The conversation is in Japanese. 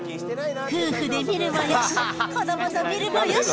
夫婦で見るもよし、子どもと見るもよし。